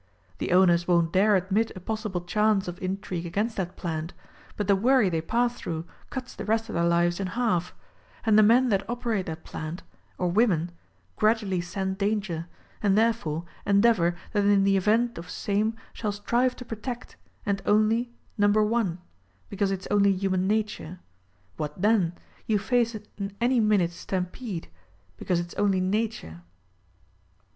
The owners won't dare admit a possible chance of intrigue against that plant; but the v/orry they pass through cuts the rest of their lives in half ; and the men that operate that plant, or women, grad ually scent danger, and, therefore, endeavor that in the event of same shall strive to protect, and only — number one ; because it's only human nature. WTiat then? You face an any minute "stampede"; because it's only nature.